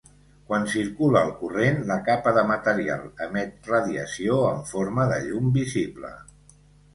Quan circula el corrent, la capa de material emet radiació en forma de llum visible.